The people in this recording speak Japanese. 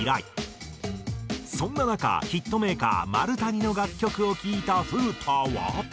そんな中ヒットメーカー丸谷の楽曲を聴いた古田は。